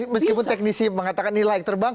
meskipun teknisi mengatakan ini layak terbang